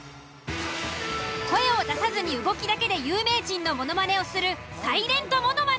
声を出さずに動きだけで有名人のものまねをするサイレントものまね。